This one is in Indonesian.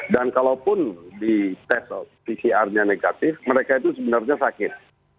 dan kalaupun di tes pcr nya negatif mereka itu sebenarnya sakit